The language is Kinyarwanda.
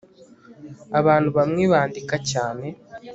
abantu bamwe bandika cyane